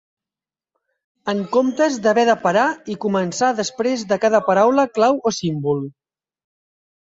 En comptes d'haver de parar i començar després de cada paraula clau o símbol.